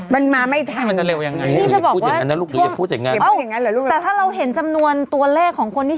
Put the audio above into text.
มันเร็วอย่างไรมันมาไม่ทันมันจะเร็วยังไง